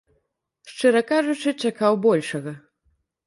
Шчыра кажучы, чакаў большага.